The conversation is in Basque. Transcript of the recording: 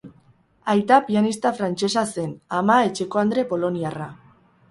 Aita pianista frantsesa zen, ama etxekoandre poloniarra.